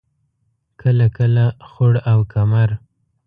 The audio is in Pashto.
کله لکه خوړ او کمر.